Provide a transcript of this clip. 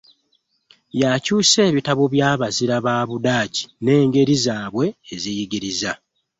Yakyusa ebitabo by'abazira ba Budaki n'engeri zaabwe ez'enjigiriza.